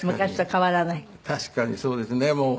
確かにそうですね。